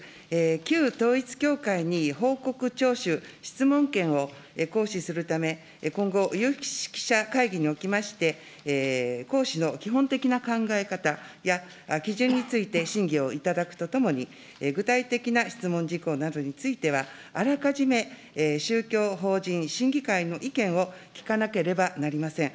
旧統一教会に報告ちょうしゅ、質問権を行使するため、今後、有識者会議におきまして、行使の基本的な考え方や、基準について審議をいただくとともに、具体的な質問事項などについては、あらかじめ宗教法人審議会の意見を聞かなければなりません。